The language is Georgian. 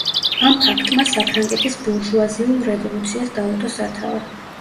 ამ ფაქტმა საფრანგეთის ბურჟუაზიულ რევოლუციას დაუდო სათავე.